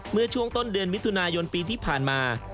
เมื่อช่วงต้นเดือนมิถุนายนปีที่ผ่านมา